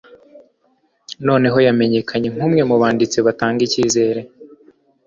noneho yamenyekanye nkumwe mubanditsi batanga ikizere